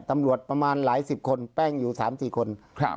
ตำรวจประมาณหลาย๑๐คนแป้งอยู่สามสี่คน